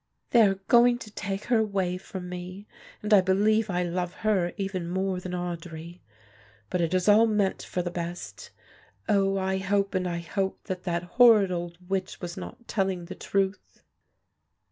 "They are going to take her away from me and I believe I love her even more than Audry, but it is all meant for the best. Oh, I hope and I hope that that horrid old witch was not telling the truth."